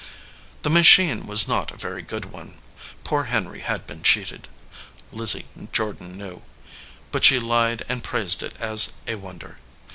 The machine was not a very good one. Poor Henry had been cheated. Lizzie Jordan knew, but she lied and praised it as a wonder.